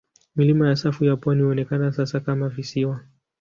Milima ya safu ya pwani huonekana sasa kama visiwa.